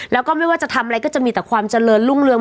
แล้วก็ไม่ว่าจะทำอะไรก็จะมีแต่ความเจริญรุ่งเรือง